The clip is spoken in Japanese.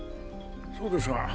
そうですが。